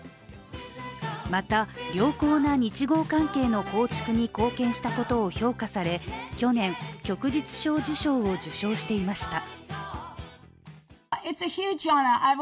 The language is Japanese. また、良好な日豪関係の構築に貢献したことを評価され去年、旭日小綬章を受章していました。